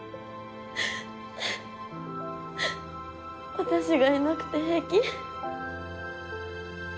私がいなくて平気？